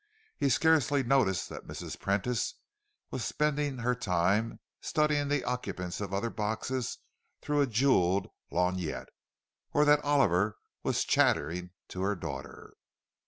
He scarcely noticed that Mrs. Prentice was spending her time studying the occupants of the other boxes through a jewelled lorgnette, or that Oliver was chattering to her daughter.